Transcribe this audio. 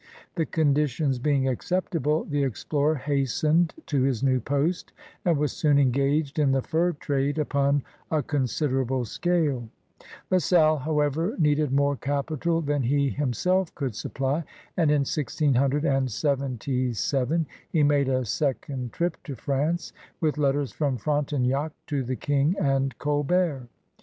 The conditions being acceptable, the explorer hastened to his new post and was soon engaged in the fur trade upon a considerable scale. La Salle, however, needed more capital than he himself could supply, and in 1677 he made a second trip to France with letters from Frontenac to the King and G)lbert.